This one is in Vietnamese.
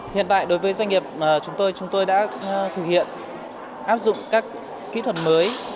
hiện tại đối với doanh nghiệp chúng tôi chúng tôi đã thực hiện áp dụng các kỹ thuật mới